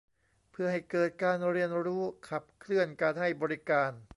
เพื่อให้เกิดการเรียนรู้ ขับเคลื่อนการให้บริการ